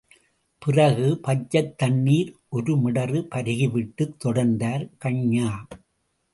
பிறகு பச்சைத் தண்ணீர் ஒரு மிடறு பருகிவிட்டுத் தொடர்ந்தார் கன்யா!..